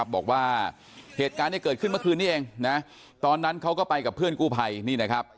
บอกว่าเหตุการณ์ที่เกิดขึ้นเมื่อคืนนี้เองนะตอนนั้นเขาก็ไปกับเพื่อนกู้ภัยนี่นะครับ